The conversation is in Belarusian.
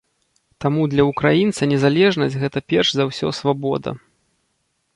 Таму для украінца незалежнасць гэта перш за ўсё свабода.